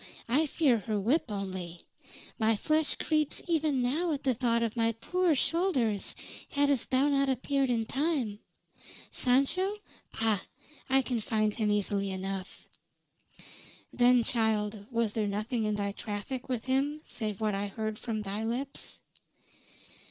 I fear her whip only. My flesh creeps even now at thought of my poor shoulders hadst thou not appeared in time. Sancho? Pah! I can find him easily enough." "Then, child, was there nothing in thy traffic with him save what I heard from thy lips?"